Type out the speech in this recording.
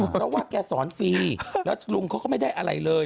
เพราะว่าแกสอนฟรีแล้วลุงเขาก็ไม่ได้อะไรเลย